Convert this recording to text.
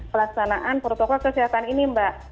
pelaksanaan protokol kesehatan ini